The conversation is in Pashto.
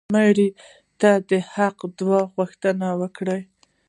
مړه ته د حق د دعا غوښتنه کوو